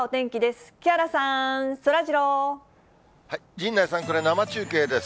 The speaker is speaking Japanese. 陣内さん、これ、生中継です。